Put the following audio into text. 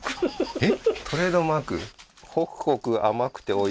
えっ？